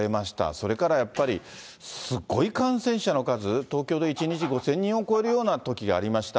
それからやっぱり、すっごい感染者の数、東京で１日５０００人を超えるようなときがありました。